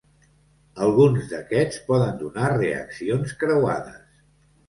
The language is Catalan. Alguns d'aquests poden donar reaccions creuades.